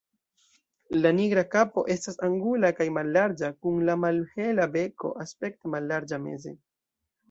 La nigra kapo estas angula kaj mallarĝa kun la malhela beko aspekte mallarĝa meze.